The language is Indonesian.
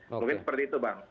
mungkin seperti itu bang